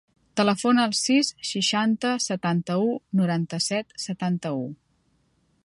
Telefona al sis, seixanta, setanta-u, noranta-set, setanta-u.